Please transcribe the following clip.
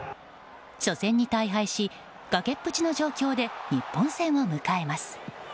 初戦に大敗し崖っぷちの状況で日本戦を迎えます。